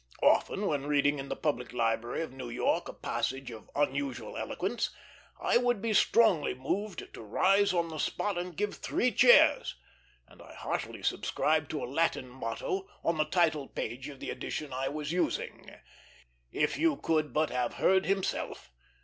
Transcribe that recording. Often, when reading in the Public Library of New York a passage of unusual eloquence, I would be strongly moved to rise on the spot and give three cheers; and I heartily subscribed to a Latin motto on the title page of the edition I was using: If you could but have heard himself.